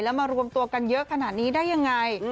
แล้วมารวมตัวกันเยอะขนาดนี้ได้ยังไง